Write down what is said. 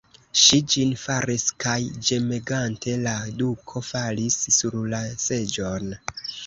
Ŝi ĝin faris, kaj ĝemegante la duko falis sur la seĝon.